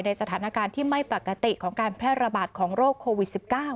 สถานการณ์ที่ไม่ปกติของการแพร่ระบาดของโรคโควิด๑๙